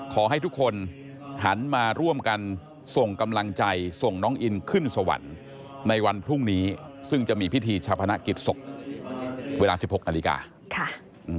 ขอให้ทุกคนหันมาร่วมกันส่งกำลังใจส่งน้องอินขึ้นสวรรค์ในวันพรุ่งนี้ซึ่งจะมีพิธีชาพนักกิจศพเวลา๑๖นาฬิกาค่ะ